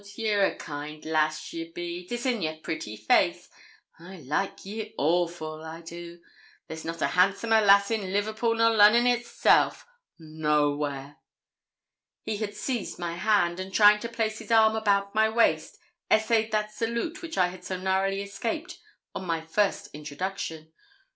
Ye're a kind lass ye be 'tis in yer pretty face. I like ye awful, I do there's not a handsomer lass in Liverpool nor Lunnon itself no where.' He had seized my hand, and trying to place his arm about my waist, essayed that salute which I had so narrowly escaped on my first introduction.